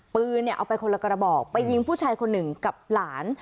ปืนเนี่ยเอาไปคนละกระบอกไปยิงผู้ชายคนหนึ่งกับหลาน